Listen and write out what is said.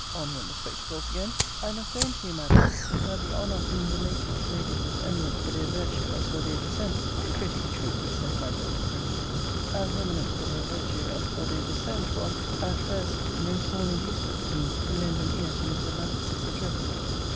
On went the spectacles again 'I must own to you, Madam, that the honour of being related to ladies as eminent for their virtue as for their descent.' Very pretty, truly! saith my Lord, repeating, 'as eminent for their virtue as for their descent, was, at first, no small inducement with me to lend an ear to Mr. Lovelace's address.'